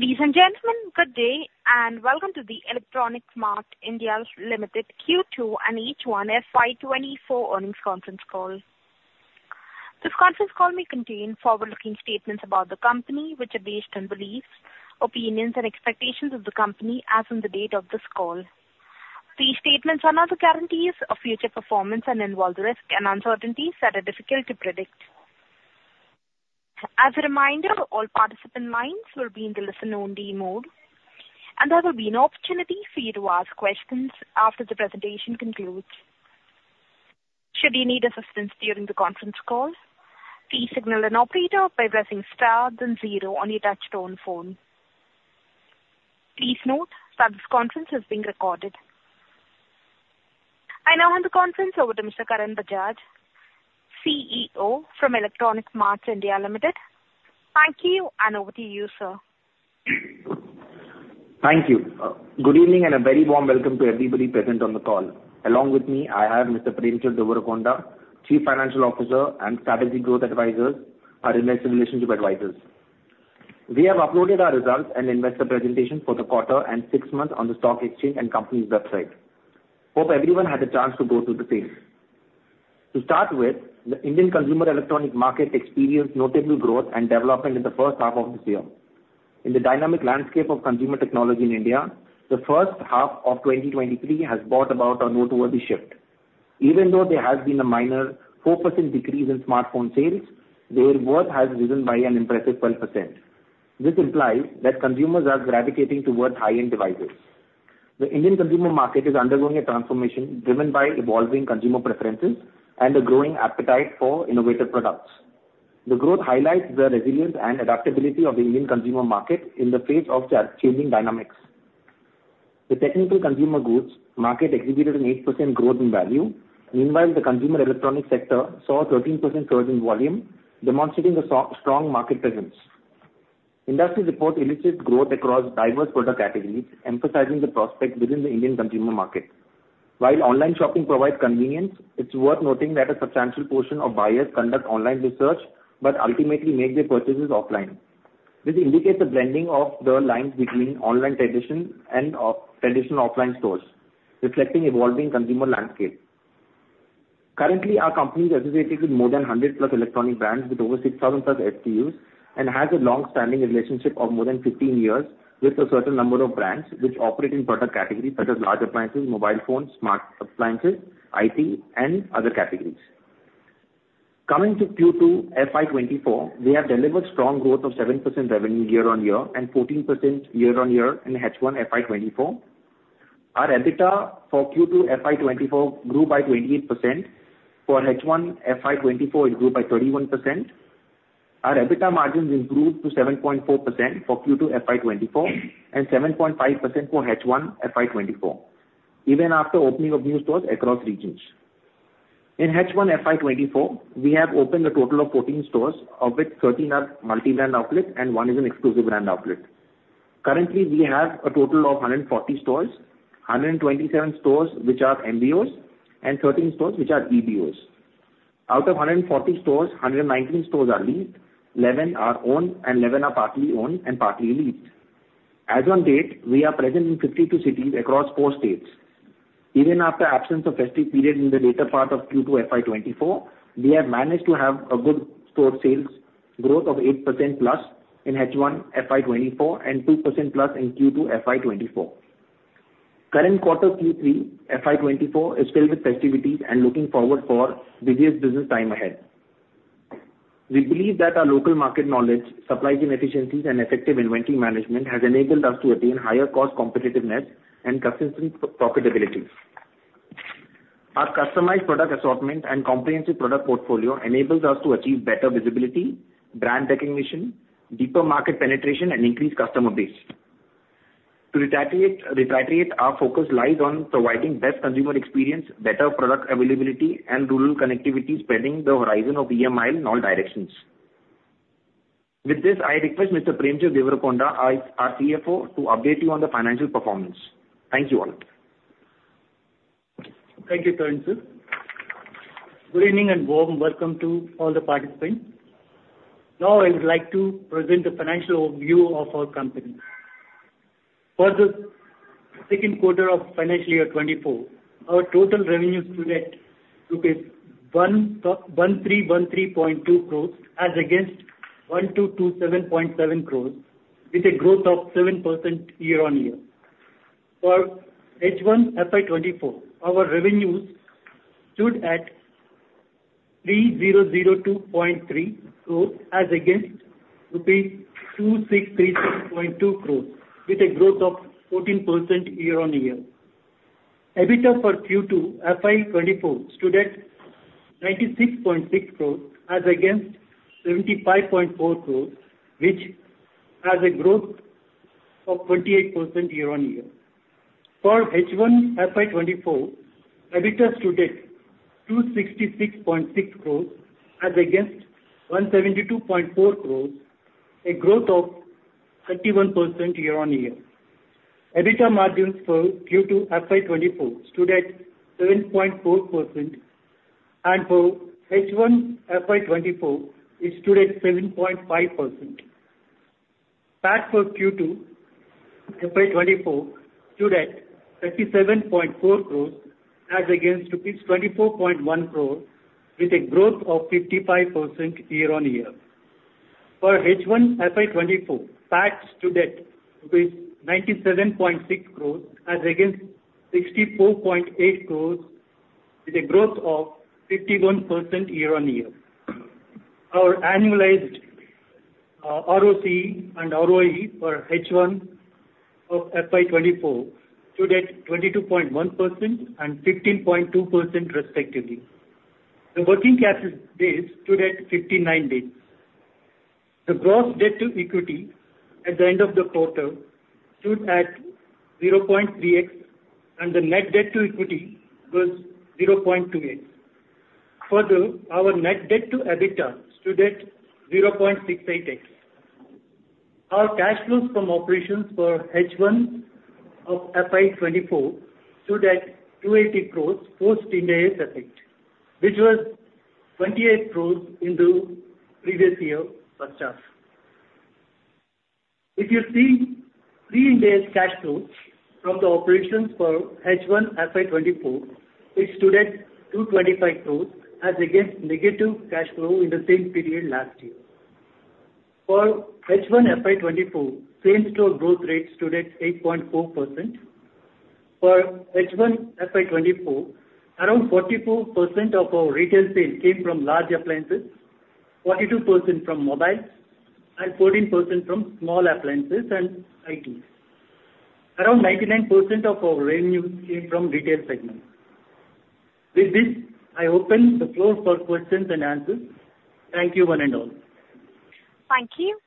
Ladies and gentlemen, good day, and welcome to the Electronics Mart India Ltd. Q2 and H1 FY24 earnings conference call. This conference call may contain forward-looking statements about the company, which are based on beliefs, opinions, and expectations of the company as on the date of this call. These statements are not the guarantees of future performance and involve the risk and uncertainties that are difficult to predict. As a reminder, all participant lines will be in the listen-only mode, and there will be an opportunity for you to ask questions after the presentation concludes. Should you need assistance during the conference call, please signal an operator by pressing star, then 0 on your touch-tone phone. Please note that this conference is being recorded. I now hand the conference over to Mr. Karan Bajaj, CEO from Electronics Mart India Ltd. Thank you, and over to you, sir. Thank you. Good evening and a very warm welcome to everybody present on the call. Along with me, I have Mr. Premchand Devarakonda, Chief Financial Officer and Strategy Growth Advisor, our investor relationship advisor. We have uploaded our results and investor presentation for the quarter and six months on the stock exchange and company's website. Hope everyone had a chance to go through the same. To start with, the Indian consumer electronics market experienced notable growth and development in the first half of this year. In the dynamic landscape of consumer technology in India, the first half of 2023 has brought about a noteworthy shift. Even though there has been a minor 4% decrease in smartphone sales, their growth has risen by an impressive 12%. This implies that consumers are gravitating towards high-end devices. The Indian consumer market is undergoing a transformation driven by evolving consumer preferences and a growing appetite for innovative products. The growth highlights the resilience and adaptability of the Indian consumer market in the face of changing dynamics. The technical consumer goods market exhibited an 8% growth in value. Meanwhile, the consumer electronics sector saw a 13% surge in volume, demonstrating a strong market presence. Industry reports elicit growth across diverse product categories, emphasizing the prospects within the Indian consumer market. While online shopping provides convenience, it's worth noting that a substantial portion of buyers conduct online research but ultimately make their purchases offline. This indicates a blending of the lines between online tradition and traditional offline stores, reflecting an evolving consumer landscape. Currently, our company is associated with more than 100+ electronic brands with over 6,000+ SKUs and has a longstanding relationship of more than 15 years with a certain number of brands which operate in product categories such as large appliances, mobile phones, smart appliances, IT, and other categories. Coming to Q2 FY24, we have delivered strong growth of 7% revenue year-on-year and 14% year-on-year in H1 FY24. Our EBITDA for Q2 FY24 grew by 28%. For H1 FY24, it grew by 31%. Our EBITDA margins improved to 7.4% for Q2 FY24 and 7.5% for H1 FY24, even after opening of new stores across regions. In H1 FY24, we have opened a total of 14 stores, of which 13 are multi-brand outlets and one is an exclusive brand outlet. Currently, we have a total of 140 stores, 127 stores which are MBOs, and 13 stores which are EBOs. Out of 140 stores, 119 stores are leased, 11 are owned, and 11 are partly owned and partly leased. As of date, we are present in 52 cities across four states. Even after the absence of festive period in the later part of Q2 FY24, we have managed to have a good store sales growth of 8%+ in H1 FY24 and 2%+ in Q2 FY24. Current quarter Q3 FY24 is filled with festivities and looking forward for busiest business time ahead. We believe that our local market knowledge, supply chain efficiencies, and effective inventory management have enabled us to attain higher cost competitiveness and consistent profitability. Our customized product assortment and comprehensive product portfolio enables us to achieve better visibility, brand recognition, deeper market penetration, and increased customer base. To reiterate, our focus lies on providing best consumer experience, better product availability, and rural connectivity spreading the horizon of EMI in all directions. With this, I request Mr. Premchand Devarakonda, our CFO, to update you on the financial performance. Thank you all. Thank you, Karan, sir. Good evening and warm welcome to all the participants. Now, I would like to present the financial overview of our company. For the second quarter of financial year 2024, our total revenues to net took is 1,313.2 crore as against 1,227.7 crore, with a growth of 7% year-over-year. For H1 FY24, our revenues stood at 3,002.3 crore as against rupees 2,636.2 crore, with a growth of 14% year-over-year. EBITDA for Q2 FY24 stood at 96.6 crore as against 75.4 crore, which has a growth of 28% year-over-year. For H1 FY24, EBITDA stood at 266.6 crore as against 172.4 crore, a growth of 31% year-over-year. EBITDA margins for Q2 FY24 stood at 7.4%, and for H1 FY24, it stood at 7.5%. PAT for Q2 FY24 stood at 37.4 crores as against 24.1 crores, with a growth of 55% year-on-year. For H1 FY24, PAT stood at 97.6 crores as against 64.8 crores, with a growth of 51% year-on-year. Our annualized ROC and ROE for H1 of FY24 stood at 22.1% and 15.2%, respectively. The working capital days stood at 59 days. The gross debt to equity at the end of the quarter stood at 0.3x, and the net debt to equity was 0.2x. Further, our net debt to EBITDA stood at 0.68x. Our cash flows from operations for H1 of FY24 stood at 280 crores post-index effect, which was 28 crores in the previous year first half. If you see pre-index cash flows from the operations for H1 FY24, it stood at 225 crores as against negative cash flow in the same period last year. For H1 FY24, same-store growth rate stood at 8.4%. For H1 FY24, around 44% of our retail sales came from large appliances, 42% from mobiles, and 14% from small appliances and IT. Around 99% of our revenues came from retail segments. With this, I open the floor for questions and answers. Thank you one and all. Thank you.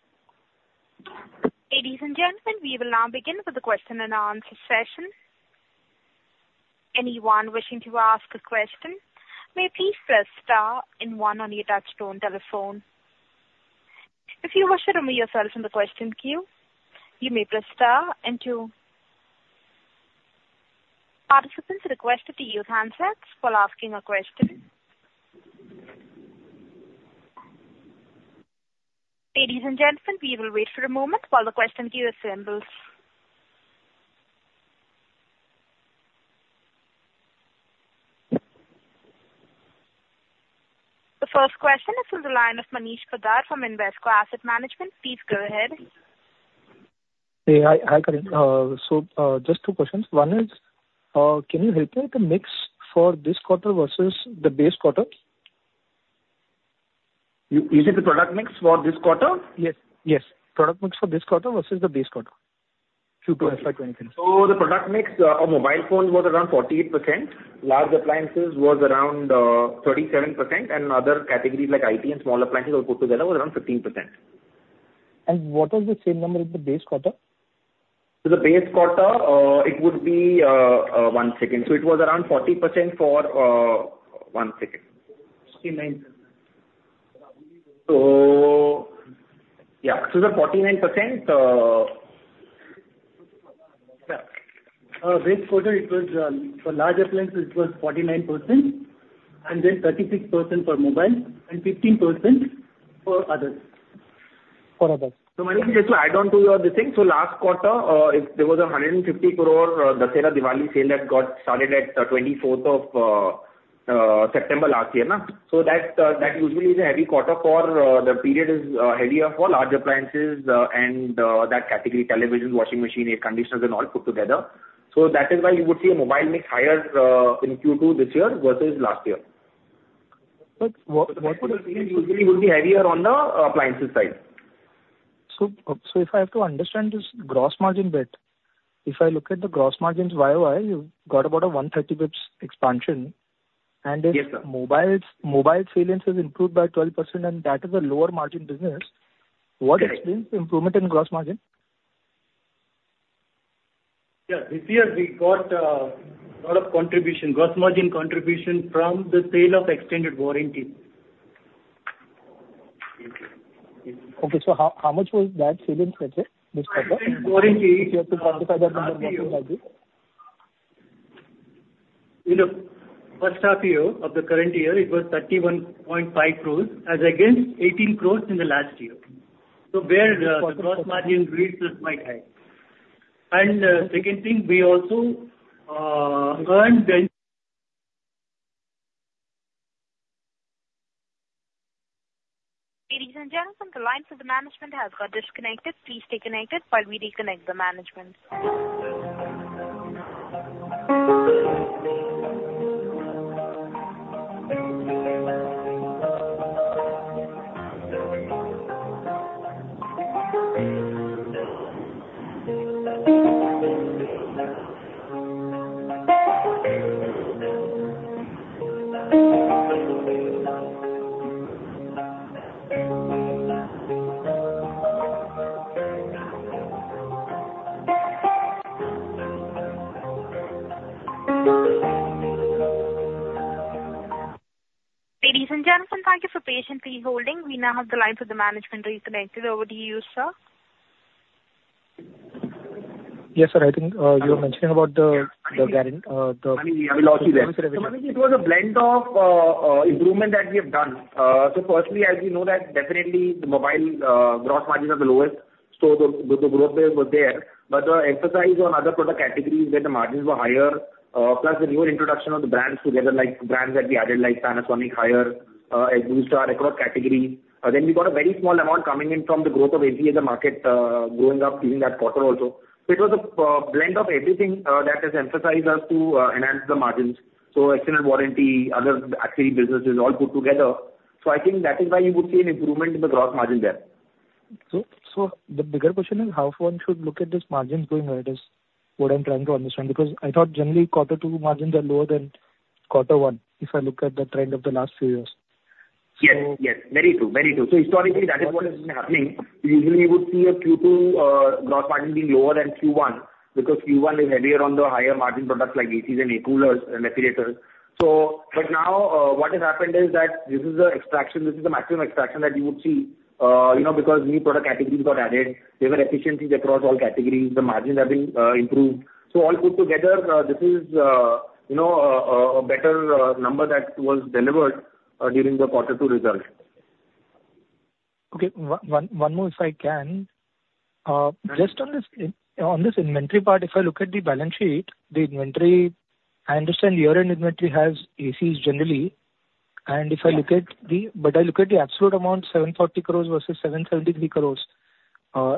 Ladies and gentlemen, we will now begin with the question and answer session. Anyone wishing to ask a question may please press star one on your touch-tone telephone. If you wish to remove yourself from the question queue, you may press star two. Participants requested to use handsets while asking a question. Ladies and gentlemen, we will wait for a moment while the question queue assembles. The first question is from the line of Manish Poddar from Invesco Asset Management. Please go ahead. Hey, hi Karan. So just two questions. One is, can you help me with the mix for this quarter versus the base quarter? You said the product mix for this quarter? Yes. Yes. Product mix for this quarter versus the base quarter Q2 FY2025. The product mix of mobile phones was around 48%, large appliances was around 37%, and other categories like IT and small appliances all put together was around 15%. What was the same number in the base quarter? The base quarter, it would be one second. It was around 40% for one second. 49%. So yeah. So the 49%. Yeah. This quarter, for large appliances, it was 49%, and then 36% for mobiles, and 15% for others. For others. So Manish, just to add on to your listing, so last quarter, there was an 150 crore Dussehra Diwali sale that got started at the 24th of September last year, no? So that usually is a heavy quarter for the period, is heavier for large appliances and that category, televisions, washing machines, air conditioners, and all put together. So that is why you would see a mobile mix higher in Q2 this year versus last year. But what would have been? But the sales usually would be heavier on the appliances side. If I have to understand this gross margin bit, if I look at the gross margins YoY, you've got about a 130 basis points expansion. And if mobile sales has improved by 12%, and that is a lower margin business, what explains the improvement in gross margin? Yeah. This year, we got a lot of contribution, gross margin contribution from the sale of extended warranty. Okay. So how much was that sales, let's say, this quarter? Warranty. If you have to quantify that number, what would that be? In the first half year of the current year, it was 31.5 crore as against 18 crore in the last year. So where the gross margin reached was quite high. And second thing, we also earned. Ladies and gentlemen, the lines of the management have got disconnected. Please stay connected while we reconnect the management. Ladies and gentlemen, thank you for patiently holding. We now have the lines of the management reconnected. Over to you, sir. Yes, sir. I think you were mentioning about the guarantee. I mean, I will allow you that. I think it was a blend of improvement that we have done. So firstly, as you know, that definitely the mobile gross margins are the lowest, so the growth there was there. But the emphasis on other product categories where the margins were higher, plus the newer introduction of the brands together, like brands that we added like Panasonic, higher Blue Star, across categories. Then we got a very small amount coming in from the growth of IT as the market growing up during that quarter also. So it was a blend of everything that has emphasized us to enhance the margins. So extended warranty, other ancillary businesses, all put together. So I think that is why you would see an improvement in the gross margin there. The bigger question is how one should look at these margins going ahead is what I'm trying to understand because I thought generally quarter two margins are lower than quarter one if I look at the trend of the last few years. Yes. Yes. Very true. Very true. So historically, that is what has been happening. Usually, you would see a Q2 gross margin being lower than Q1 because Q1 is heavier on the higher margin products like ACs and air coolers and refrigerators. But now what has happened is that this is the extraction, this is the maximum extraction that you would see because new product categories got added. There were efficiencies across all categories. The margins have been improved. So all put together, this is a better number that was delivered during the quarter two result. Okay. One more if I can. Just on this inventory part, if I look at the balance sheet, the inventory, I understand year-end inventory has ACs generally. And if I look at, but I look at the absolute amount, 740 crore versus 773 crore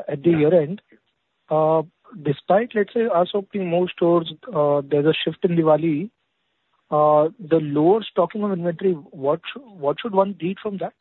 at the year-end. Despite, let's say, us opening more stores, there's a shift in Diwali, the lower stocking of inventory, what should one read from that?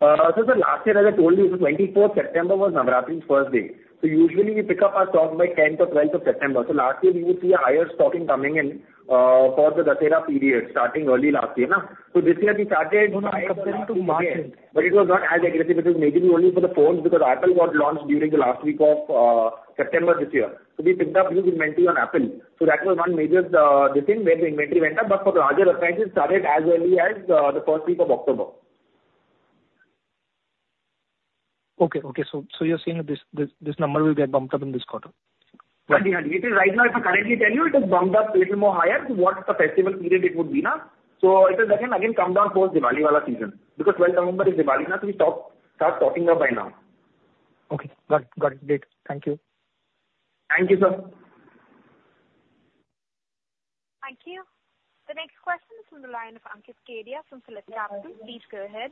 So last year, as I told you, 24th September was Navratri's first day. So usually, we pick up our stock by 10th or 12th of September. So last year, we would see a higher stocking coming in for the Dussehra period starting early last year, no? So this year, we started. Comparing to March and June. But it was not as aggressive because maybe only for the phones because Apple got launched during the last week of September this year. So we picked up huge inventory on Apple. So that was one major thing where the inventory went up. But for larger appliances, it started as early as the first week of October. Okay. Okay. So you're saying this number will get bumped up in this quarter? Right. Yeah. Yeah. Right now, if I currently tell you, it has bumped up a little more higher to what the festival period it would be, no? So it has, again, come down post-Diwali-wala season because 12th November is Diwali, no? So we start stocking up by now. Okay. Got it. Got it. Great. Thank you. Thank you, sir. Thank you. The next question is from the line of Ankit Kedia from PhillipCapital. Please go ahead.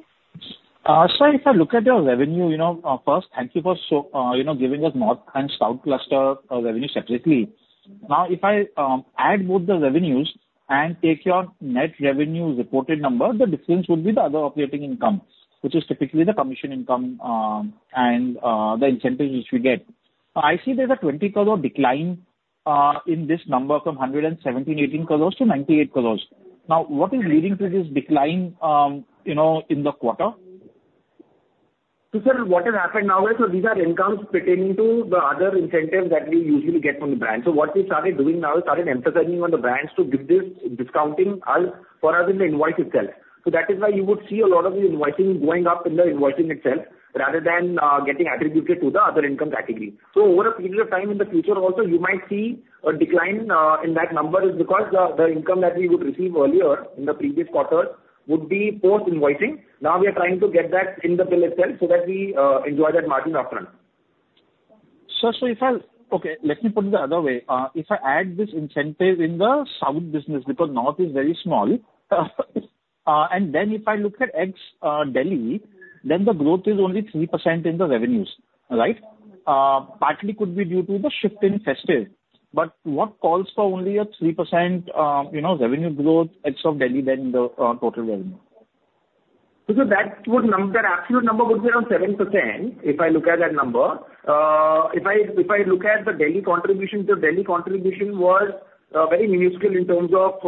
Sir, if I look at your revenue first, thank you for giving us North and South Cluster revenue separately. Now, if I add both the revenues and take your net revenue reported number, the difference would be the other operating income, which is typically the commission income and the incentives which we get. I see there's an 20 crore decline in this number from 117 crores-118 crores to 98 crores. Now, what is leading to this decline in the quarter? So sir, what has happened now is so these are incomes pertaining to the other incentives that we usually get from the brands. So what we started doing now is started emphasizing on the brands to give this discounting for us in the invoice itself. So that is why you would see a lot of the invoicing going up in the invoicing itself rather than getting attributed to the other income category. So over a period of time in the future also, you might see a decline in that number is because the income that we would receive earlier in the previous quarters would be post-invoicing. Now, we are trying to get that in the bill itself so that we enjoy that margin upfront. Sir, so if I, okay. Let me put it the other way. If I add this incentive in the South business because North is very small, and then if I look at ex-Delhi, then the growth is only 3% in the revenues, right? Partly could be due to the shift in festive. But what calls for only a 3% revenue growth except Delhi then in the total revenue? So sir, that absolute number would be around 7% if I look at that number. If I look at the Delhi contribution, the Delhi contribution was very minuscule in terms of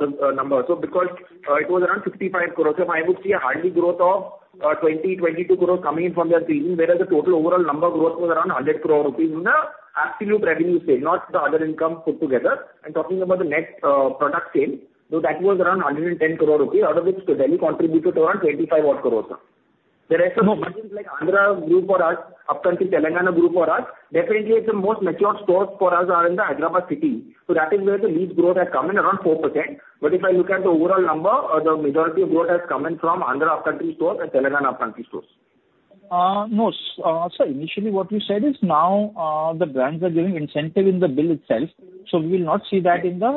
the number. So because it was around 55 crore, so I would see a hardly growth of 20 crore-22 crore coming in from that region, whereas the total overall number growth was around 100 crore rupees in the absolute revenue sale, not the other income put together. And talking about the net product sale, so that was around 110 crore rupees, out of which Delhi contributed around 25-odd crore rupees, sir. The rest of the margins like Andhra group or us, upcountry Telangana group or us, definitely the most mature stores for us are in the Hyderabad city. So that is where the least growth has come in, around 4%. But if I look at the overall number, the majority of growth has come in from Andhra upcountry stores and Telangana upcountry stores. No, sir, initially, what you said is now the brands are giving incentive in the bill itself. So we will not see that in the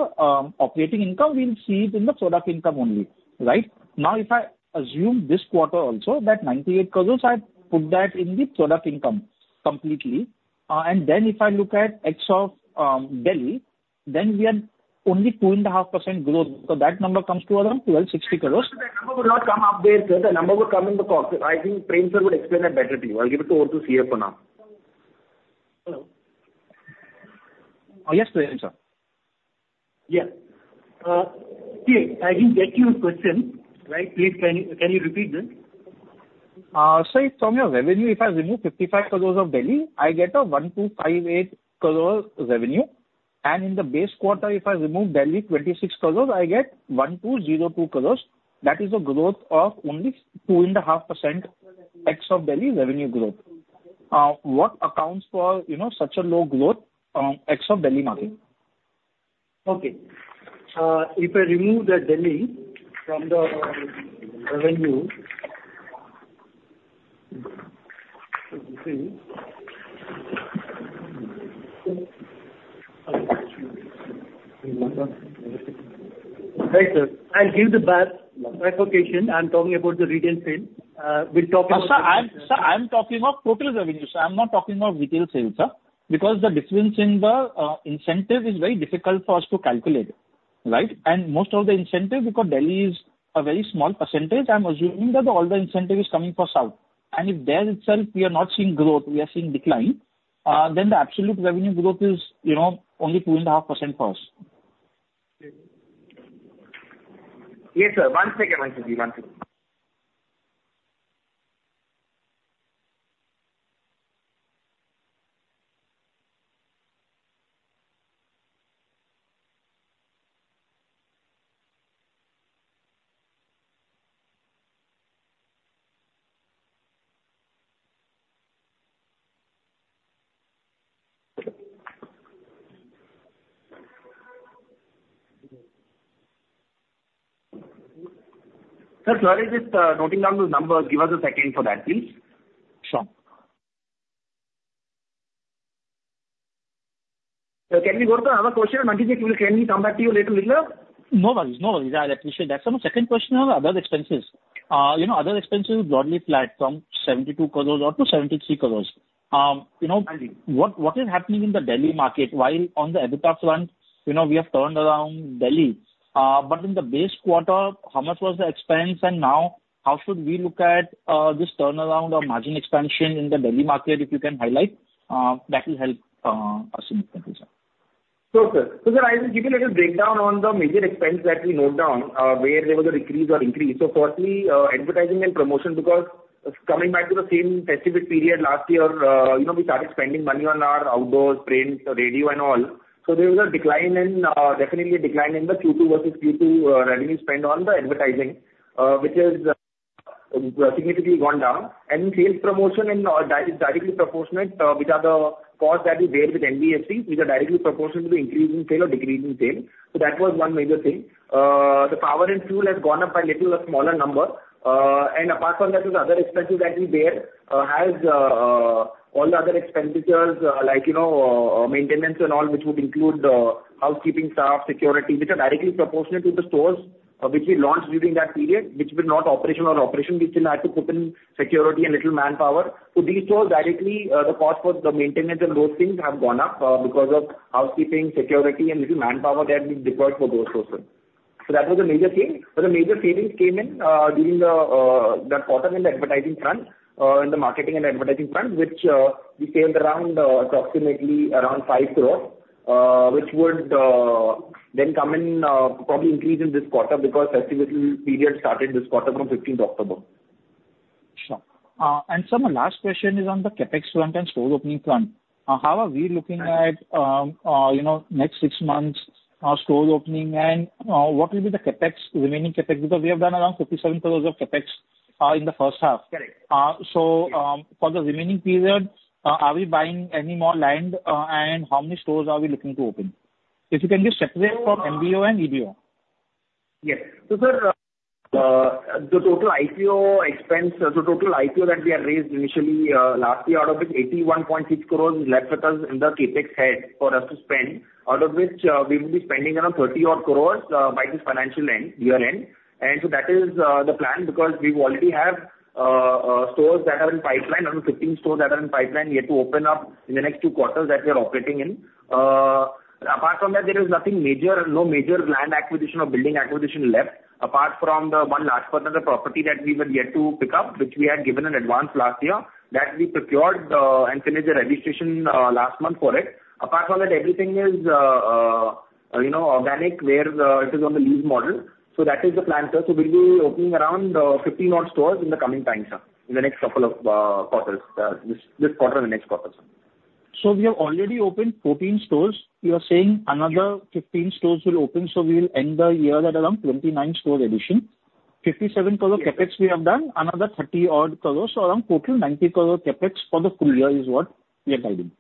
operating income. We'll see it in the product income only, right? Now, if I assume this quarter also that 98 crore, I put that in the product income completely. And then if I look at ex-Delhi, then we are only 2.5% growth. So that number comes to around 1,260 crore. So sir, that number would not come up there, sir. That number would come in the quarter. I think Prem, sir, would explain that better to you. I'll give it over to Sir now. Hello? Yes, Prem, sir. Yes. Sir, I didn't get your question, right? Please, can you repeat that? Sir, from your revenue, if I remove 55 crore of Delhi, I get a 1,258 crore revenue. And in the base quarter, if I remove Delhi 26 crore, I get 1,202 crore. That is a growth of only 2.5% ex-Delhi revenue growth. What accounts for such a low growth ex-Delhi market? Okay. If I remove the Delhi from the revenue. Hi, sir. I'll give the background. I'm talking about the retail sale. We'll talk about. Sir, I'm talking of total revenue, sir. I'm not talking of retail sale, sir, because the difference in the incentive is very difficult for us to calculate, right? And most of the incentive, because Delhi is a very small percentage, I'm assuming that all the incentive is coming for South. And if there itself, we are not seeing growth. We are seeing decline. Then the absolute revenue growth is only 2.5% for us. Yes, sir. One second, Manish. One second. Sir, sorry, just noting down those numbers. Give us a second for that, please. Sure. Sir, can we go to another question? Manish, can we come back to you a little later? No worries. No worries. I'd appreciate that. Sir, my second question are other expenses. Other expenses broadly flat from 72 crores to 73 crores. What is happening in the Delhi market while on the EBITDA front, we have turned around Delhi? But in the base quarter, how much was the expense? And now, how should we look at this turnaround or margin expansion in the Delhi market, if you can highlight? That will help us in this conclusion. Sure, sir. So sir, I will give you a little breakdown on the major expense that we note down where there was a decrease or increase. So firstly, advertising and promotion because coming back to the same festive period last year, we started spending money on our outdoors, print, radio, and all. So there was a decline and definitely a decline in the Q2 versus Q2 revenue spent on the advertising, which has significantly gone down. And then sales promotion and directly proportionate, which are the costs that we bear with NBFCs, which are directly proportionate to the increase in sale or decrease in sale. So that was one major thing. The power and fuel has gone up by a little smaller number. And apart from that, the other expenses that we bear have all the other expenditures like maintenance and all, which would include housekeeping staff, security, which are directly proportionate to the stores which we launched during that period, which were not operational or operation. We still had to put in security and little manpower. So these stores directly, the cost for the maintenance and those things have gone up because of housekeeping, security, and little manpower that we deployed for those stores, sir. So that was a major thing. But the major savings came in during that quarter in the advertising front, in the marketing and advertising front, which we saved approximately around 5 crore, which would then come in, probably increase in this quarter because festive period started this quarter from 15th October. Sure. And sir, my last question is on the CapEx front and store opening front. How are we looking at next six months store opening? And what will be the remaining CapEx because we have done around 57 crore of CapEx in the first half? So for the remaining period, are we buying any more land? And how many stores are we looking to open? If you can just separate from MBO and EBO? Yes. So sir, the total IPO expense, the total IPO that we have raised initially last year out of it, 81.6 crores is left with us in the CapEx head for us to spend, out of which we will be spending around 30-odd crores by this financial year-end. So that is the plan because we already have stores that are in pipeline, around 15 stores that are in pipeline yet to open up in the next two quarters that we are operating in. Apart from that, there is no major land acquisition or building acquisition left apart from the one large part of the property that we were yet to pick up, which we had given an advance last year that we procured and finished the registration last month for it. Apart from that, everything is organic where it is on the lease model. That is the plan, sir. We'll be opening around 15-odd stores in the coming time, sir, in the next couple of quarters, this quarter and the next quarter, sir. So we have already opened 14 stores. You are saying another 15 stores will open. So we will end the year at around 29 store addition. 57 crore CapEx we have done, another 30-odd crores. So around total 90 crore CapEx for the full year is what we are guiding.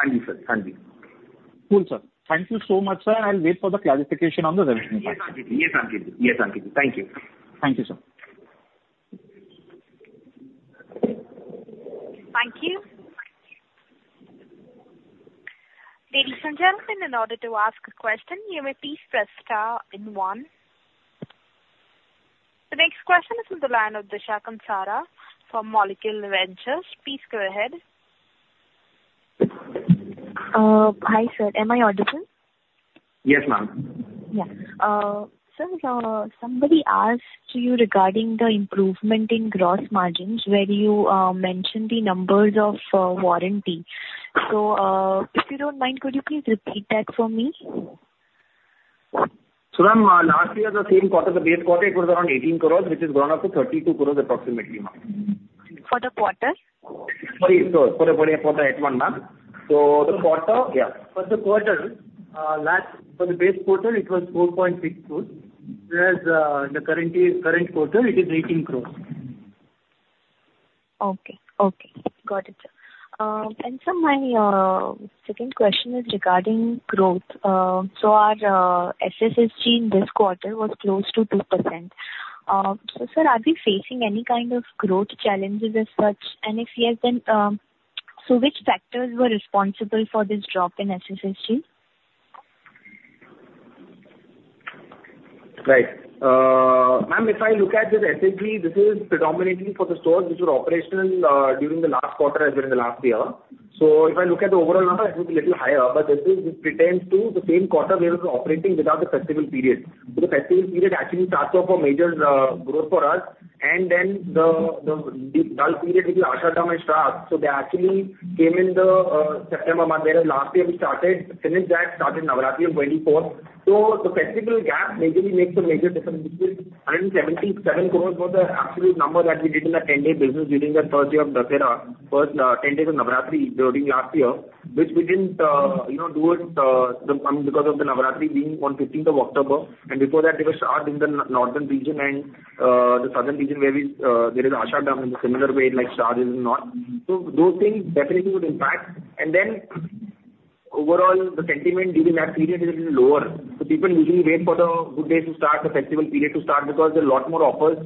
Thank you, sir. Thank you. Cool, sir. Thank you so much, sir. I'll wait for the clarification on the revenue part. Yes, Ankit. Yes, Ankit. Yes, Ankit. Thank you. Thank you, sir. Thank you. Ladies and gentlemen, in order to ask a question, you may please press star one. The next question is from the line of Krisha Kansara from Molecule Ventures. Please go ahead. Hi, sir. Am I audible? Yes, ma'am. Yeah. Sir, somebody asked you regarding the improvement in gross margins where you mentioned the numbers of warranty. So if you don't mind, could you please repeat that for me? Sir, last year, the same quarter, the base quarter, it was around 18 crores, which has gone up to 32 crores approximately, ma'am. For the quarter? Sorry, sir. For the Q1, ma'am. So the quarter, yeah. For the base quarter, it was 4.6 crores. Whereas in the current quarter, it is 18 crores. Okay. Okay. Got it, sir. And sir, my second question is regarding growth. So our SSSG in this quarter was close to 2%. So sir, are we facing any kind of growth challenges as such? And if yes, then so which factors were responsible for this drop in SSSG? Right. Ma'am, if I look at this SSG, this is predominantly for the stores which were operational during the last quarter as well as the last year. So if I look at the overall number, it was a little higher. But this pertains to the same quarter we were operating without the festival period. So the festival period actually starts off for major growth for us. And then the dull period with the Ashadham and Shraddha, so they actually came in the September month whereas last year we started, finished that, started Navratri on 24th. So the festival gap majorly makes a major difference, which was 177 crore, the absolute number that we did in the 10-day business during the first day of Dussehra, 10 days of Navratri during last year, which we didn't do because of the Navratri being on 15th of October. And before that, there was Shraddha in the northern region and the southern region where there is Ashadham in a similar way like Shraddha is in the north. So those things definitely would impact. And then overall, the sentiment during that period is a little lower. So people usually wait for the good days to start, the festival period to start because there are a lot more offers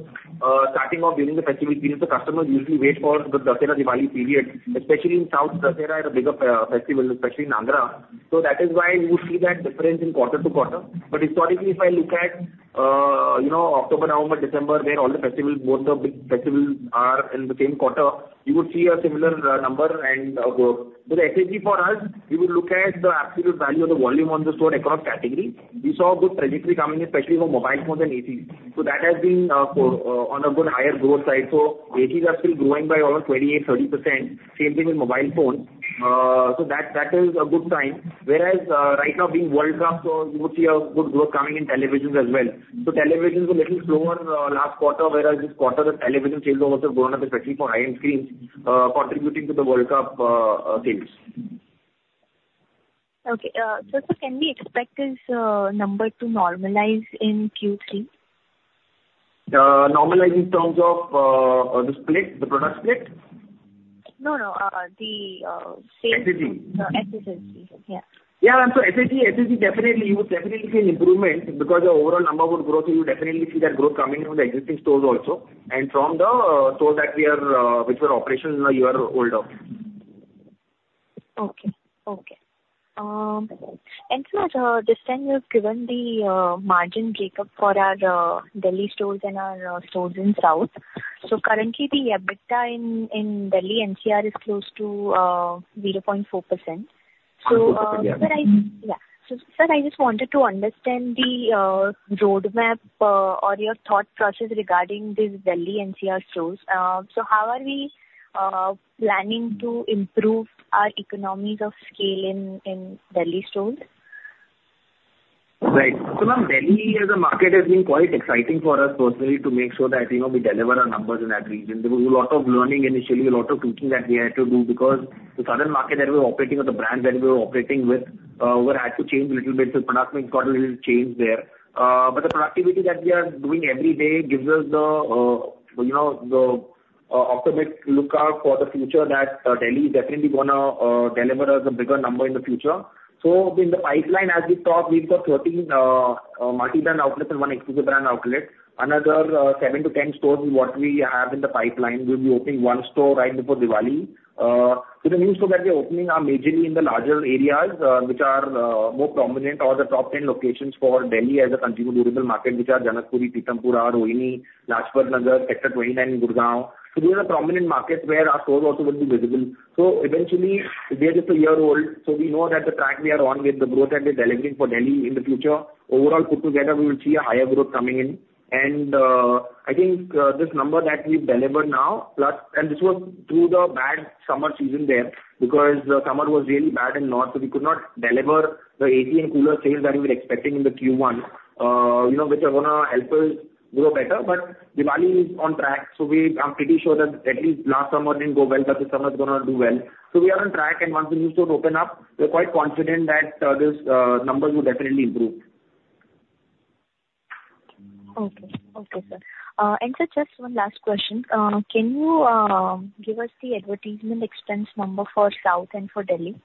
starting off during the festival period. So customers usually wait for the Dussehra-Diwali period, especially in South, Dussehra is a bigger festival, especially in Andhra. So that is why you would see that difference in quarter to quarter. But historically, if I look at October, November, December, where all the festivals, both the big festivals are in the same quarter, you would see a similar number and growth. So the SSG for us, we would look at the absolute value of the volume on the store economic category. We saw a good trajectory coming, especially for mobile phones and ACs. So that has been on a good higher growth side. So ACs are still growing by around 28%-30%. Same thing with mobile phones. So that is a good time. Whereas right now, being World Cup, so you would see a good growth coming in televisions as well. So televisions were a little slower last quarter, whereas this quarter, the television sales also have gone up, especially for high-end screens, contributing to the World Cup sales. Okay. Sir, sir, can we expect this number to normalize in Q3? Normalize in terms of the split, the product split? No, no. The same. SSG. SSSG. Yeah. Yeah, ma'am. So SSG, SSG definitely, you would definitely see an improvement because your overall number would grow. So you definitely see that growth coming from the existing stores also and from the stores which were operational a year older. Okay. Okay. Sir, just then you have given the margin breakup for our Delhi stores and our stores in South. Currently, the EBITDA in Delhi NCR is close to 0.4%. Sir, I just wanted to understand the roadmap or your thought process regarding these Delhi NCR stores. How are we planning to improve our economies of scale in Delhi stores? Right. So ma'am, Delhi as a market has been quite exciting for us personally to make sure that we deliver our numbers in that region. There was a lot of learning initially, a lot of teaching that we had to do because the southern market that we were operating or the brands that we were operating with had to change a little bit. So productivity has got a little change there. But the productivity that we are doing every day gives us the ultimate outlook for the future that Delhi is definitely going to deliver us a bigger number in the future. So in the pipeline, as we talk, we've got 13 multi-brand outlets and one exclusive brand outlet. Another 7-10 stores is what we have in the pipeline. We'll be opening one store right before Diwali. So the new store that we are opening are majorly in the larger areas which are more prominent or the top 10 locations for Delhi as a continued durable market, which are Janakpuri, Pitampura, Rohini, Lajpat Nagar, Sector 29, Gurgaon. So these are the prominent markets where our stores also would be visible. So eventually, they are just a year old. So we know that the track we are on with the growth that we are delivering for Delhi in the future, overall put together, we will see a higher growth coming in. And I think this number that we've delivered now, and this was through the bad summer season there because the summer was really bad in north, so we could not deliver the AC and cooler sales that we were expecting in the Q1, which are going to help us grow better. But Diwali is on track. I'm pretty sure that at least last summer didn't go well, but this summer is going to do well. We are on track. Once the new store open up, we're quite confident that these numbers will definitely improve. Okay. Okay, sir. And sir, just one last question. Can you give us the advertisement expense number for South and for Delhi?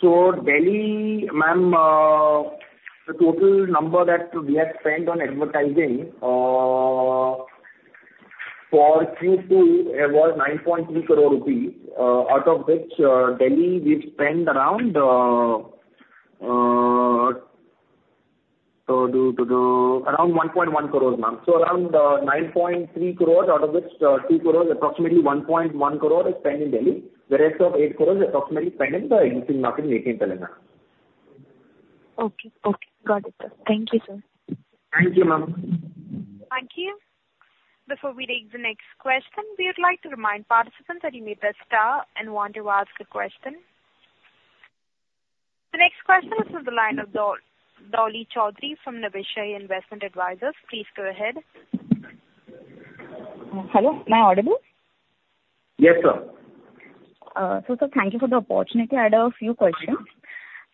So Delhi, ma'am, the total number that we have spent on advertising for Q2 was 9.3 crore rupees, out of which Delhi, we've spent around 1.1 crore, ma'am. So around 9.3 crore, out of which 2 crore, approximately 1.1 crore is spent in Delhi, the rest of 8 crore approximately spent in the existing market in AP and Telangana. Okay. Okay. Got it, sir. Thank you, sir. Thank you, ma'am. Thank you. Before we take the next question, we would like to remind participants that you may press star and want to ask a question. The next question is from the line of Dolly Chaudhary from Niveshaay Investment Advisors. Please go ahead. Hello? Am I audible? Yes, sir. Sir, thank you for the opportunity. I had a few questions.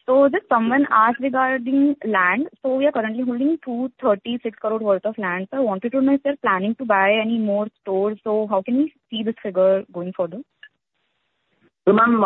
Just someone asked regarding land. We are currently holding 236 crore worth of land. I wanted to know, is there planning to buy any more stores? How can we see this figure going further? So ma'am,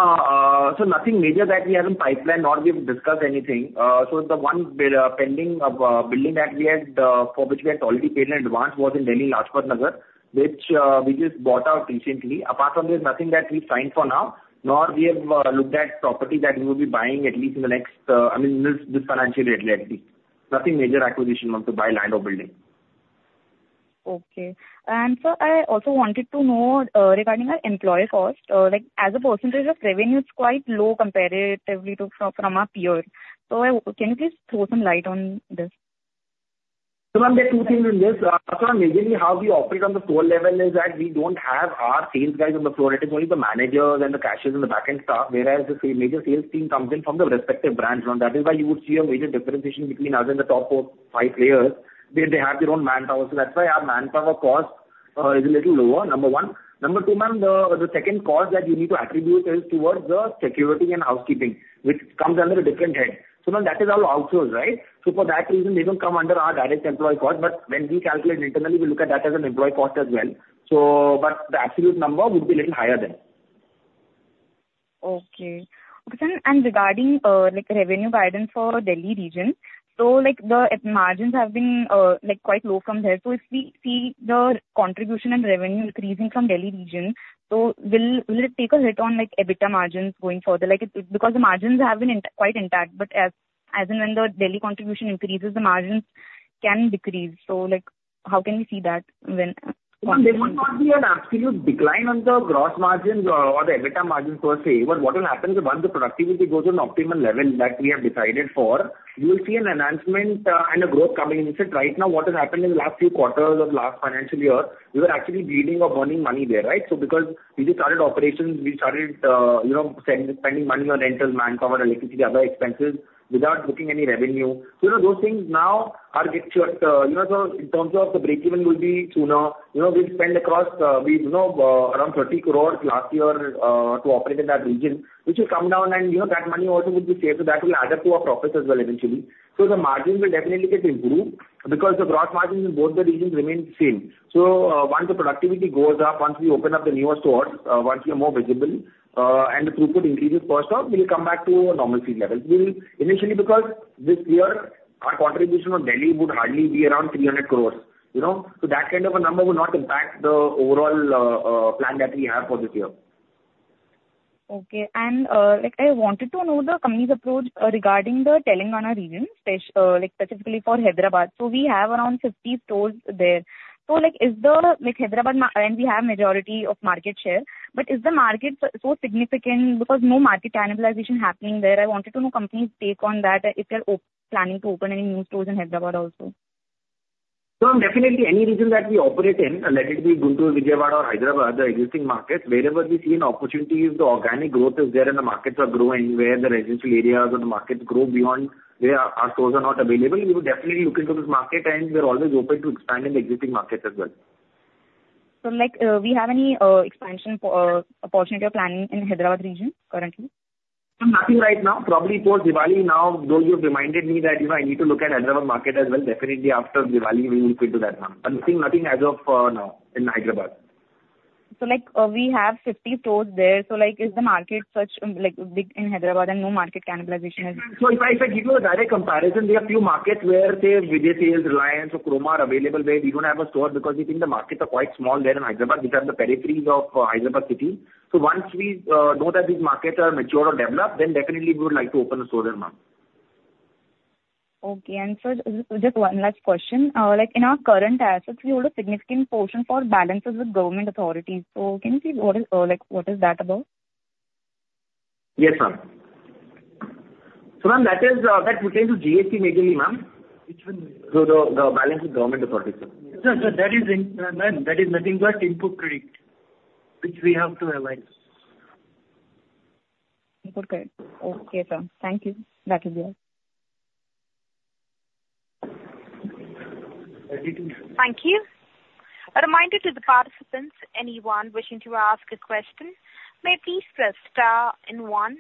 so nothing major that we have in pipeline, nor we have discussed anything. So the one pending building that we had, for which we had already paid in advance, was in Delhi, Lajpat Nagar, which we just bought out recently. Apart from this, nothing that we've signed for now, nor we have looked at property that we will be buying at least in the next I mean, this financial year, at least. Nothing major acquisition to buy land or building. Okay. Sir, I also wanted to know regarding our employee cost. As a percentage of revenue, it's quite low comparatively from our peers. So can you please throw some light on this? So, ma'am, there are two things in this. Sir, majorly, how we operate on the floor level is that we don't have our sales guys on the floor. It is only the managers and the cashier and the back-end staff, whereas the major sales team comes in from the respective branches. That is why you would see a major differentiation between us and the top five players. They have their own manpower. So that's why our manpower cost is a little lower, number one. Number two, ma'am, the second cost that you need to attribute is towards security and housekeeping, which comes under a different head. So, ma'am, that is our outsource, right? So for that reason, they don't come under our direct employee cost. But when we calculate internally, we look at that as an employee cost as well. But the absolute number would be a little higher then. Okay. Okay, sir. And regarding revenue guidance for Delhi region, so the margins have been quite low from there. So if we see the contribution and revenue increasing from Delhi region, so will it take a hit on EBITDA margins going further? Because the margins have been quite intact, but as in when the Delhi contribution increases, the margins can decrease. So how can we see that when? There will not be an absolute decline on the gross margins or the EBITDA margins to our favor. What will happen is once the productivity goes to an optimum level that we have decided for, you will see an enhancement and a growth coming. Instead, right now, what has happened in the last few quarters of the last financial year, we were actually bleeding or burning money there, right? So because we just started operations, we started spending money on rental, manpower, electricity, other expenses without looking at any revenue. So those things now are getting sorted. So in terms of the breakeven will be sooner. We'll spend across around 30 crore last year to operate in that region, which will come down. And that money also would be saved. So that will add up to our profits as well eventually. The margins will definitely get improved because the gross margins in both the regions remain the same. Once the productivity goes up, once we open up the newer stores, once we are more visible and the throughput increases, first off, we'll come back to normal seed levels. Initially, because this year, our contribution of Delhi would hardly be around 300 crore. That kind of a number will not impact the overall plan that we have for this year. Okay. And I wanted to know the company's approach regarding the Telangana region, specifically for Hyderabad. So we have around 50 stores there. So is the Hyderabad, and we have a majority of market share, but is the market so significant because no market cannibalization happening there? I wanted to know company's take on that if they're planning to open any new stores in Hyderabad also. So definitely, any region that we operate in, let it be Guntur, Vijayawada, or Hyderabad, the existing markets, wherever we see an opportunity, if the organic growth is there and the markets are growing, where the residential areas or the markets grow beyond where our stores are not available, we will definitely look into this market. And we are always open to expand in the existing markets as well. So we have any expansion opportunity or planning in Hyderabad region currently? Nothing right now. Probably towards Diwali now, though you have reminded me that I need to look at Hyderabad market as well. Definitely, after Diwali, we will look into that, ma'am. But I'm seeing nothing as of now in Hyderabad. So we have 50 stores there. So is the market such big in Hyderabad and no market cannibalization as? So if I give you a direct comparison, there are a few markets where say Vijay Sales, Reliance, or Croma are available where we don't have a store because we think the markets are quite small there in Hyderabad, which are the peripheries of Hyderabad city. So once we know that these markets are mature or developed, then definitely we would like to open a store there, ma'am. Okay. Sir, just one last question. In our current assets, we hold a significant portion for balances with government authorities. Can you say what that is about? Yes, sir. So ma'am, that pertains to GST majorly, ma'am. So the balance with government authorities, sir. Sir, sir, that is nothing but input credit, which we have to avoid. Input credit. Okay, sir. Thank you. That will be all. Thank you. A reminder to the participants, anyone wishing to ask a question, may please press star and one.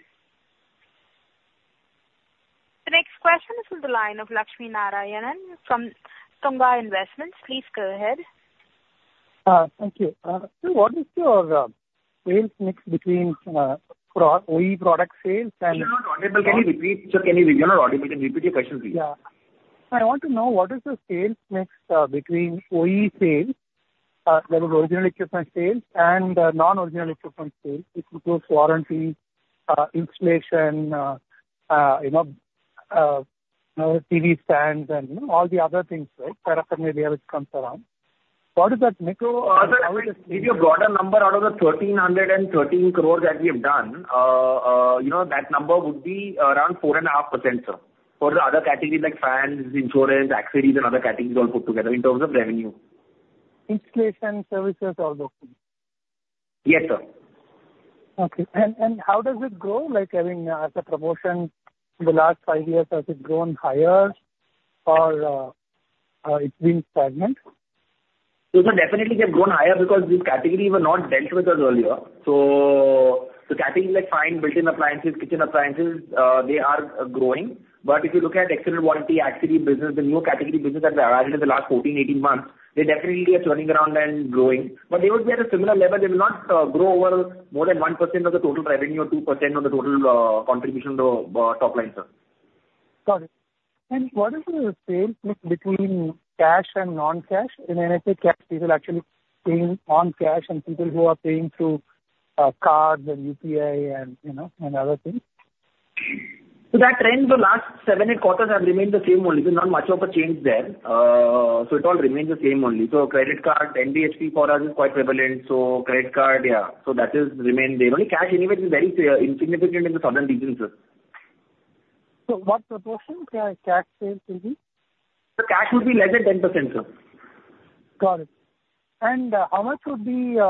The next question is from the line of Lakshminarayanan from Tunga Investments. Please go ahead. Thank you. Sir, what is your sales mix between OE product sales and? You're not audible. Can you repeat? Sir, can you repeat? You're not audible. Can you repeat your question, please? Yeah. I want to know, what is the sales mix between OE sales, that is, original equipment sales, and non-original equipment sales? This includes warranty, installation, TV stands, and all the other things, right? Perhaps maybe which comes around. What is that mix? Sir, if you brought a number out of the 1,313 crore that we have done, that number would be around 4.5%, sir, for the other categories like fans, insurance, accessories, and other categories all put together in terms of revenue. Installation, services, all those things? Yes, sir. Okay. How does it grow? I mean, as a promotion, in the last five years, has it grown higher, or it's been stagnant? So sir, definitely, they've grown higher because these categories were not dealt with us earlier. So the categories like fine, built-in appliances, kitchen appliances, they are growing. But if you look at extended warranty, accessories business, the new category business that we have added in the last 14, 18 months, they definitely are turning around and growing. But they would be at a similar level. They will not grow over more than 1% of the total revenue or 2% of the total contribution to top line, sir. Got it. And what is the sales mix between cash and non-cash? And when I say cash, people actually paying on cash and people who are paying through cards and UPI and other things? That trend, the last 7, 8 quarters, has remained the same only. There's not much of a change there. It all remains the same only. Credit card, NBFC for us is quite prevalent. Credit card, yeah. That has remained there. Only cash anyway is very insignificant in the southern regions, sir. What proportion cash sales will be? The cash would be less than 10%, sir. Got it. How much would be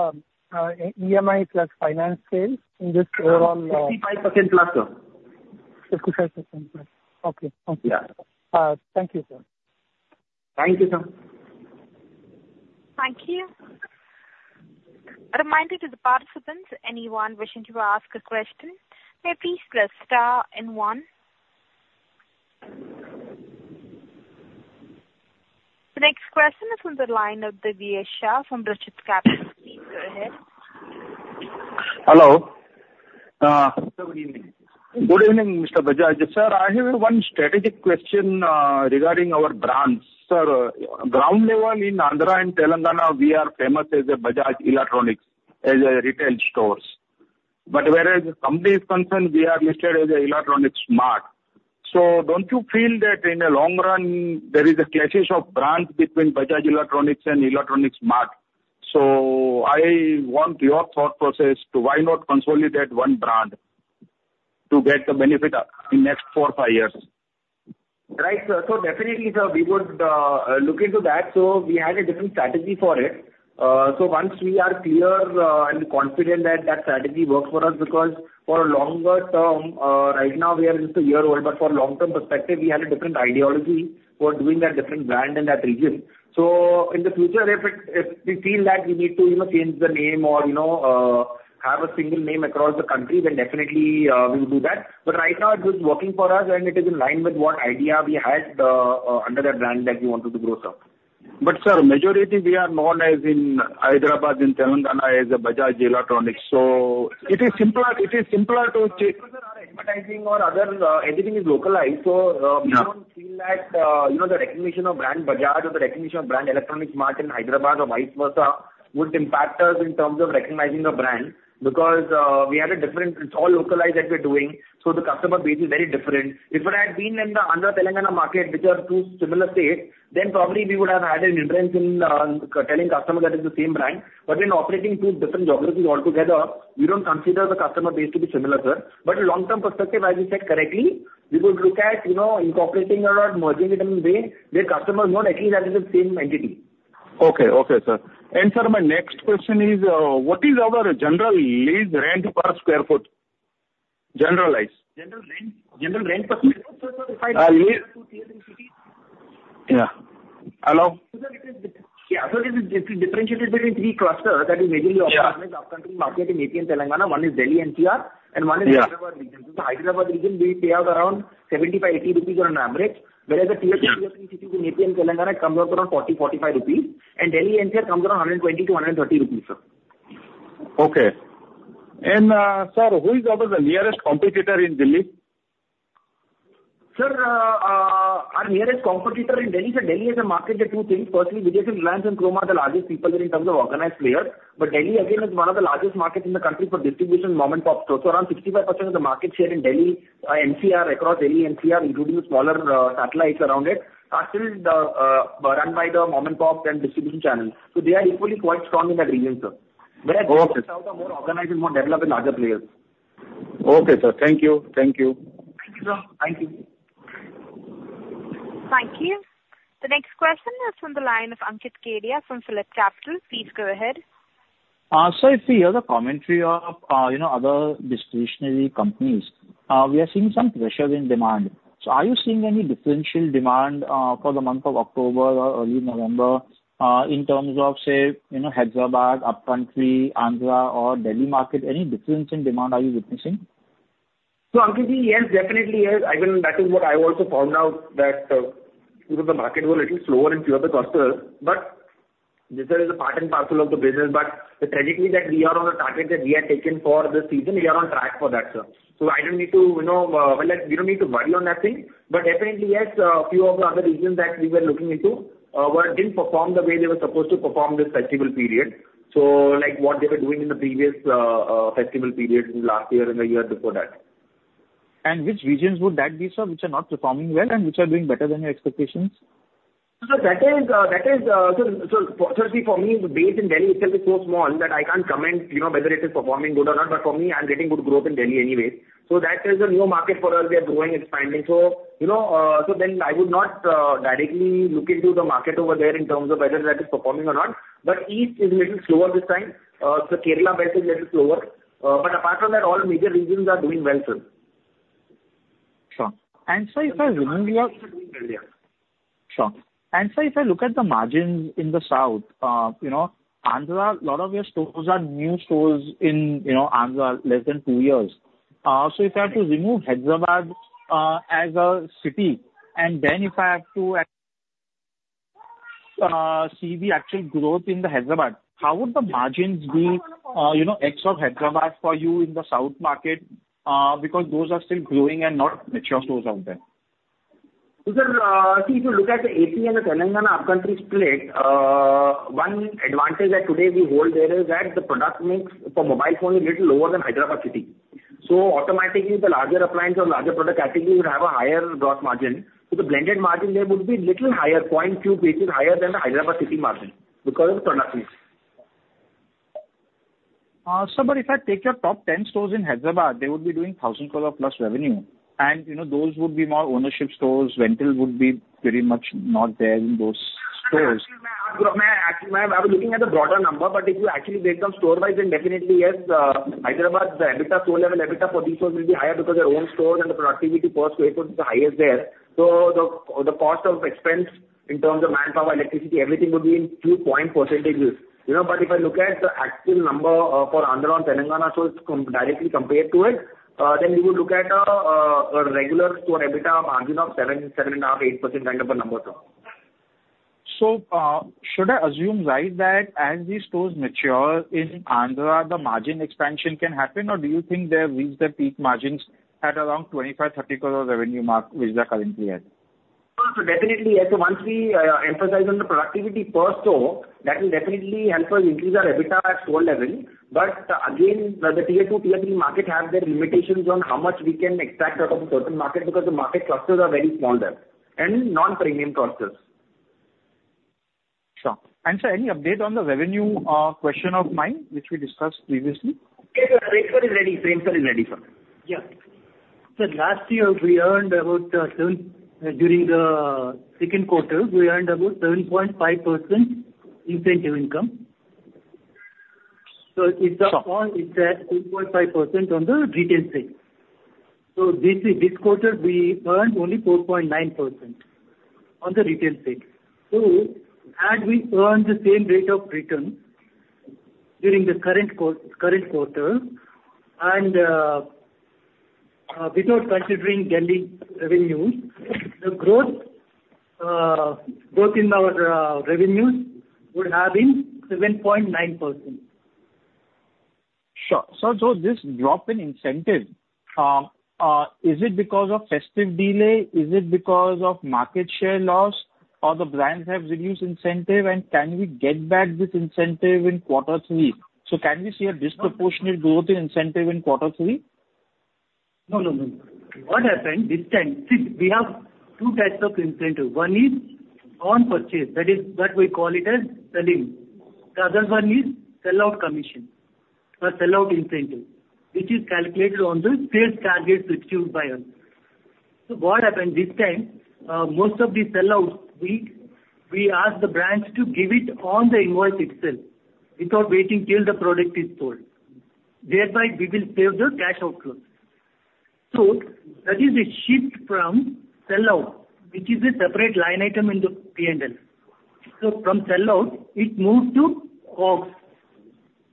EMI plus finance sales in this overall? 55%+, sir. 55%+. Okay. Okay. Thank you, sir. Thank you, sir. Thank you. A reminder to the participants, anyone wishing to ask a question, may please press star and one. The next question is from the line of Vihar from Richards Capital. Please go ahead. Hello. Sir, good evening. Good evening, Mr. Bajaj. Sir, I have one strategic question regarding our brands. Sir, ground level in Andhra and Telangana, we are famous as Bajaj Electronics as retail stores. But whereas the company is concerned, we are listed as Electronics Mart. So don't you feel that in the long run, there is a clash of brands between Bajaj Electronics and Electronics Mart? So I want your thought process to why not consolidate one brand to get the benefit in the next four, five years? Right, sir. So definitely, sir, we would look into that. So we had a different strategy for it. So once we are clear and confident that that strategy works for us because for a longer term, right now, we are just a year old. But for a long-term perspective, we had a different ideology for doing that different brand in that region. So in the future, if we feel that we need to change the name or have a single name across the country, then definitely, we will do that. But right now, it was working for us, and it is in line with what idea we had under the brand that we wanted to grow, sir. But sir, majority, we are known as in Hyderabad, in Telangana, as Bajaj Electronics. So it is simpler to check. Sir, sir, our advertising or other everything is localized. So we don't feel that the recognition of brand Bajaj or the recognition of brand Electronics Mart in Hyderabad or vice versa would impact us in terms of recognizing the brand because we had a different it's all localized that we're doing. So the customer base is very different. If it had been in the Andhra, Telangana market, which are two similar states, then probably we would have had an influence in telling customers that it's the same brand. But in operating two different geographies altogether, we don't consider the customer base to be similar, sir. But long-term perspective, as you said correctly, we would look at incorporating or merging it in a way where customers know at least that it's the same entity. Okay. Okay, sir. Sir, my next question is, what is our general lease rent per square foot? Generalized. General rent Yeah. Hello? Sir, it is yeah, so it is differentiated between three clusters that we majorly operate in: upcountry market in AP and Telangana. One is Delhi and NCR, and one is Hyderabad region. So the Hyderabad region, we pay out around 75-80 rupees on an average. Whereas the tier two, tier three cities in AP and Telangana, it comes out around 40-45 rupees. And Delhi and NCR comes around 120-130 rupees, sir. Okay. And sir, who is our nearest competitor in Delhi? Sir, our nearest competitor in Delhi, sir, Delhi has a market in two things. Firstly, Vijay Sales and Reliance and Croma are the largest people there in terms of organized players. But Delhi, again, is one of the largest markets in the country for distribution mom-and-pop stores. So around 65% of the market share in Delhi NCR, across Delhi NCR, including the smaller satellites around it, are still run by the mom-and-pop and distribution channels. So they are equally quite strong in that region, sir. Whereas the south are more organized and more developed and larger players. Okay, sir. Thank you. Thank you. Thank you, sir. Thank you. Thank you. The next question is from the line of Ankit Kedia from PhillipCapital. Please go ahead. Sir, I see here the commentary of other distribution companies. We are seeing some pressure in demand. So are you seeing any differential demand for the month of October or early November in terms of, say, Hyderabad, upcountry, Andhra, or Delhi market? Any difference in demand are you witnessing? So, Ankit ji, yes, definitely, yes. Even that is what I also found out, that because the markets were a little slower in tier two clusters. But this is a part and parcel of the business. But actually, we are on target that we have taken for this season; we are on track for that, sir. So I don't need to—well, we don't need to worry on that thing. But definitely, yes, a few of the other regions that we were looking into didn't perform the way they were supposed to perform this festival period, so like what they were doing in the previous festival period last year and the year before that. Which regions would that be, sir, which are not performing well and which are doing better than your expectations? Sir, that is, sir, see, for me, the base in Delhi itself is so small that I can't comment whether it is performing good or not. But for me, I'm getting good growth in Delhi anyway. So that is a new market for us. We are growing. It's fine. So then I would not directly look into the market over there in terms of whether that is performing or not. But east is a little slower this time. So Kerala base is a little slower. But apart from that, all major regions are doing well, sir. Sure. Sir, if I remove your? Sure. Sure. Sir, if I look at the margins in the south, Andhra, a lot of your stores are new stores in Andhra less than two years. So if I have to remove Hyderabad as a city and then if I have to see the actual growth in Hyderabad, how would the margins be ex of Hyderabad for you in the south market because those are still growing and not mature stores out there? So, sir, see, if you look at the AP and the Telangana upcountry split, one advantage that today we hold there is that the product mix for mobile phone is a little lower than Hyderabad city. Automatically, the larger appliance or larger product category would have a higher gross margin. So the blended margin there would be a little higher, 0.2 basis higher than the Hyderabad city margin because of the product mix. Sir, but if I take your top 10 stores in Hyderabad, they would be doing 1,000 crore plus revenue. Those would be more ownership stores. Rental would be pretty much not there in those stores. Actually, I was looking at the broader number. But if you actually break down store-wise, then definitely, yes, Hyderabad, the EBITDA store level, EBITDA for these stores will be higher because their own stores and the productivity costs were the highest there. So the cost of expense in terms of manpower, electricity, everything would be in few point percentages. But if I look at the actual number for Andhra and Telangana stores directly compared to it, then you would look at a regular store EBITDA margin of 7, 7.5, 8% kind of a number, sir. So should I assume, right, that as these stores mature in Andhra, the margin expansion can happen, or do you think they've reached their peak margins at around 25 crore-30 crore revenue mark, which they're currently at? So, sir, definitely, yes. So once we emphasize on the productivity per store, that will definitely help us increase our EBITDA at store level. But again, the tier two, tier three market have their limitations on how much we can extract out of a certain market because the market clusters are very small there and non-premium clusters. Sure. Sir, any update on the revenue question of mine, which we discussed previously? Yes, sir. Framework is ready. Framework is ready, sir. Yeah. Sir, last year, during the second quarter, we earned about 7.5% incentive income. So it's all it's 2.5% on the retail sales. So this quarter, we earned only 4.9% on the retail sales. So had we earned the same rate of return during the current quarter and without considering Delhi revenues, the growth in our revenues would have been 7.9%. Sure. Sir, so this drop in incentive, is it because of festive delay? Is it because of market share loss, or the brands have reduced incentive? And can we get back this incentive in quarter three? So can we see a disproportionate growth in incentive in quarter three? No, no, no, no. What happened this time, see, we have two types of incentive. One is on purchase. That is what we call it as sell-in. The other one is sellout commission or sellout incentive, which is calculated on the sales targets achieved by us. So what happened this time, most of the sellouts, we ask the brands to give it on the invoice itself without waiting till the product is sold. Thereby, we will save the cash outflow. So that is a shift from sellout, which is a separate line item in the P&L. So from sellout, it moved to COGS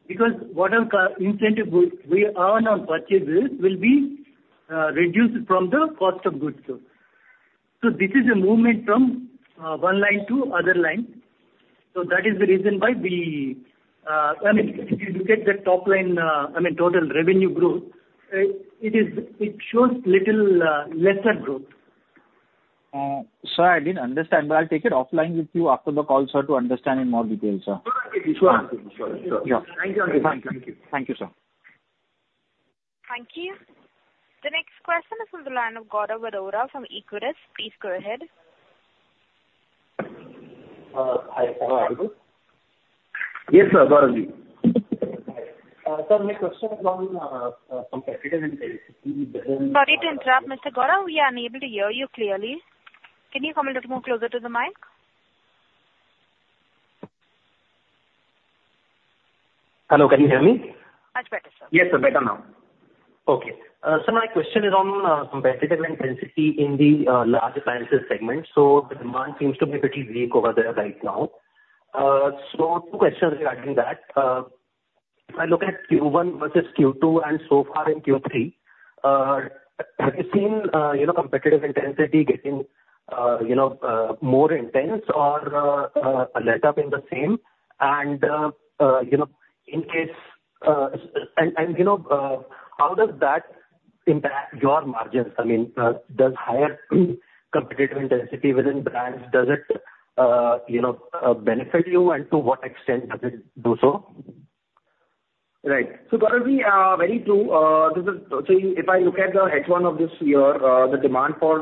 because whatever incentive we earn on purchases will be reduced from the cost of goods, sir. So this is a movement from one line to other line. So that is the reason why we—I mean, if you look at the top line—I mean, total revenue growth, it shows little lesser growth. Sir, I didn't understand, but I'll take it offline with you after the call, sir, to understand in more detail, sir. Thank you Thank you. The next question is from the line of Gaurav Arora from Equirus Securities. Please go ahead. Hi. Yes, sir. Gaurav ji. Sir, my question is on competitors and sales between the different. Sorry to interrupt, Mr. Gaurav. We are unable to hear you clearly. Can you come a little more closer to the mic? Hello. Can you hear me? Much better, sir. Yes, sir. Better now. Okay. Sir, my question is on competitive intensity in the large appliances segment. So the demand seems to be pretty weak over there right now. So two questions regarding that. If I look at Q1 versus Q2 and so far in Q3, have you seen competitive intensity getting more intense or a letup in the same? And in case and how does that impact your margins? I mean, does higher competitive intensity within brands, does it benefit you? And to what extent does it do so? Right. So, Gaurav ji, very true. So, see, if I look at the H1 of this year, the demand for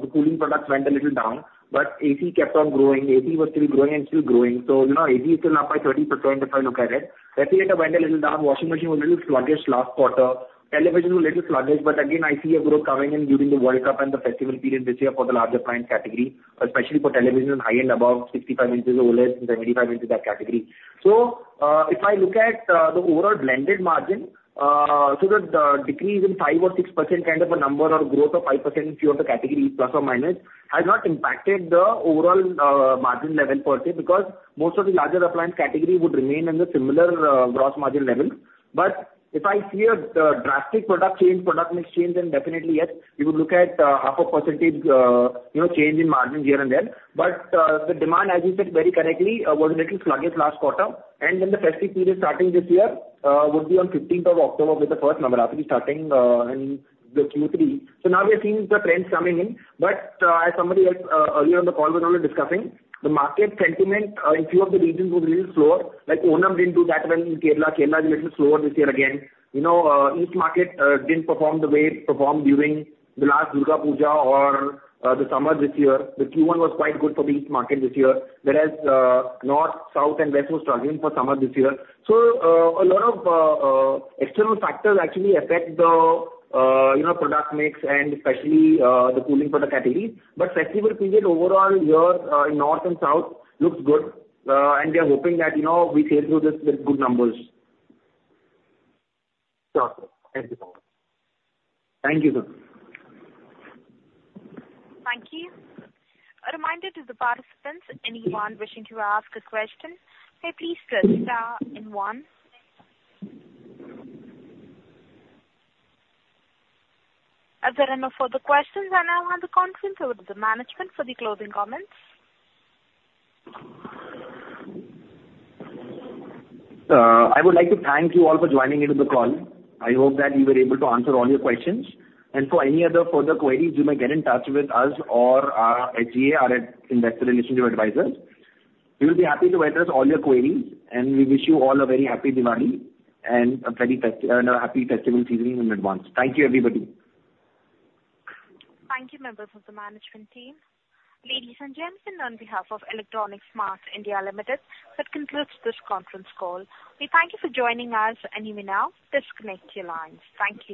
the cooling products went a little down, but AP kept on growing. AP was still growing and still growing. So AP is still up by 30% if I look at it. Refrigerator went a little down. Washing machine was a little sluggish last quarter. Television was a little sluggish. But again, I see a growth coming in during the World Cup and the festival period this year for the larger brand category, especially for television and high-end above 65 in OLEDs, 75 in that category. So if I look at the overall blended margin, so that decrease in 5% or 6% kind of a number or growth of 5% in fewer of the categories, plus or minus, has not impacted the overall margin level per se because most of the larger appliance category would remain in the similar gross margin level. But if I see a drastic product change, product mix change, then definitely, yes, we would look at half a percentage change in margins here and there. But the demand, as you said very correctly, was a little sluggish last quarter. And then the festive period starting this year would be on 15th of October with the first Navratri starting in the Q3. So now we are seeing the trends coming in. But as somebody else earlier on the call was already discussing, the market sentiment in few of the regions was a little slower. Like Onam didn't do that well in Kerala. Kerala is a little slower this year again. East market didn't perform the way it performed during the last Durga Puja or the summer this year. The Q1 was quite good for the East market this year. Whereas north, south, and west were struggling for summer this year. So a lot of external factors actually affect the product mix and especially the cooling for the categories. But festival period overall here in north and south looks good. And we are hoping that we sail through this with good numbers. Sure. Thank you, sir. Thank you, sir. Thank you. A reminder to the participants, anyone wishing to ask a question, may please press star one. Is there any further questions? I now hand over to the management for the closing comments. I would like to thank you all for joining into the call. I hope that you were able to answer all your questions. For any other further queries, you may get in touch with us or HGAR, our investor relationship advisors. We will be happy to address all your queries. We wish you all a very happy Diwali and a happy festival season in advance. Thank you, everybody. Thank you, members of the management team. Ladies and gentlemen, on behalf of Electronics Mart India Limited, that concludes this conference call. We thank you for joining us. And if you may now disconnect your lines. Thank you.